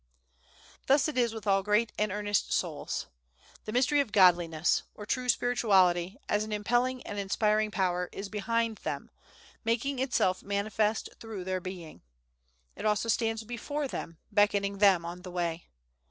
Thus it is with all great and earnest souls. "The mystery of Godliness," or true spirituality, as an impelling and inspiring power, is behind them, making itself manifest through their being. It also stands before them, beckoning them on the way.